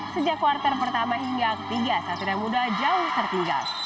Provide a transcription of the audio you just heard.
sejak kuartal pertama hingga ketiga satria muda jauh tertinggal